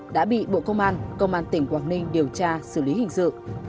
đã bị bộ công an công an tỉnh quảng ninh điều tra xử lý hình sự